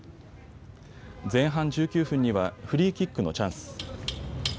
前半１９分にはフリーキックのチャンス。